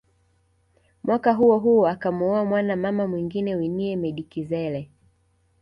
Mwaka huo huo akamoua mwana mama mwingine Winnie Medikizela